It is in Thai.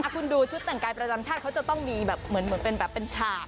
คุณดูชุดแต่งกายประจำชาติเขาจะต้องมีแบบเหมือนเป็นแบบเป็นฉาก